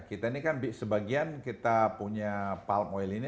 kita ini kan sebagian kita punya palm oil ini